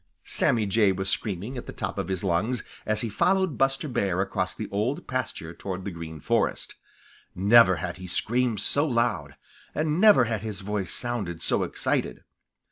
Sammy Jay was screaming at the top of his lungs, as he followed Buster Bear across the Old Pasture towards the Green Forest. Never had he screamed so loud, and never had his voice sounded so excited.